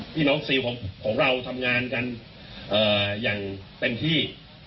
น้องซีลของเราทำงานกันอย่างเต็มที่